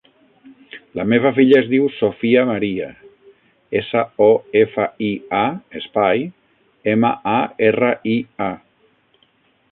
La meva filla es diu Sofia maria: essa, o, efa, i, a, espai, ema, a, erra, i, a.